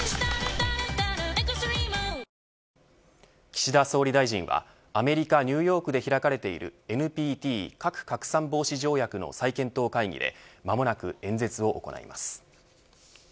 岸田総理大臣はアメリカ、ニューヨークで開かれているＮＰＴ核拡散防止条約の再検討会議で間もなく演説を行います。